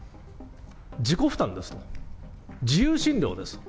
自己負担ですと、自由診療ですと。